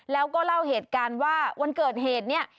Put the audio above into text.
แล้วก็เล่าเหตุการณ์ว่าวันเกิดเหตุเนี่ย